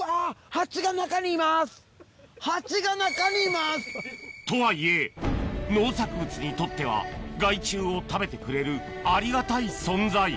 蜂が中にいます！とはいえ農作物にとっては害虫を食べてくれるありがたい存在